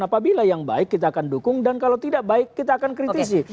apabila yang baik kita akan dukung dan kalau tidak baik kita akan kritisi